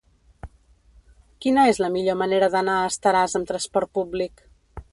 Quina és la millor manera d'anar a Estaràs amb trasport públic?